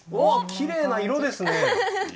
きれいな色ですね。